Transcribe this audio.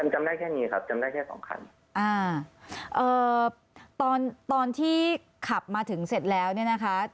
จำได้แค่นี้ครับจำได้แค่สองคันอ่าเอ่อตอนตอนที่ขับมาถึงเสร็จแล้วเนี่ยนะคะ